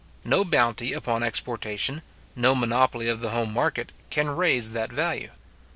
No bounty upon exportation, no monopoly of the home market, can raise that value.